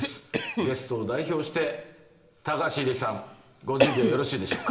ゲストを代表して高橋英樹さんご準備はよろしいでしょうか？